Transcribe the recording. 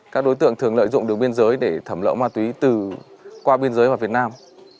các đối tượng thường lợi dụng đường biên giới để thẩm lỡ ma túy từ qua biên giới vào việt nam